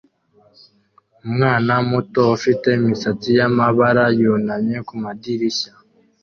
Umwana muto ufite imisatsi yamabara yunamye kumadirishya